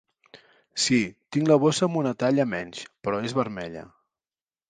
Sí, tinc la bossa amb una talla menys, però és vermella.